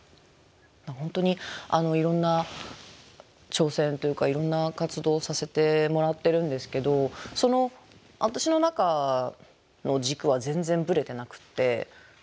本当にいろんな挑戦というかいろんな活動をさせてもらってるんですけど私の中の軸は全然ブレてなくてやはり軸はモデルなんですよ。